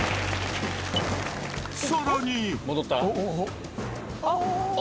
さらに。